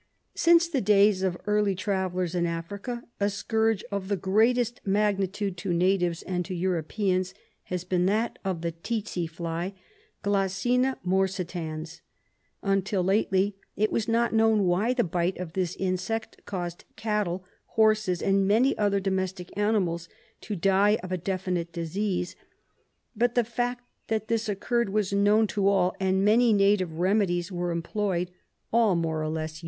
Since the days of early travellers in Africa, a scourge of the greatest magnitude to natives and to Europeans has been that of the tsetse fly (Ghssina morsitans). Until lately it was not known why the bite of this insect caused cattle, horses, and many other domestic animals to die of a definite disease, but the fact that this occurred was known to all, and many native remedies were employed, all more or less useless.